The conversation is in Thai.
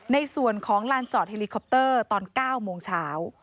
ในส่วนของลานจอดเฮลิคอปเตอร์ตอน๙โมงเช้า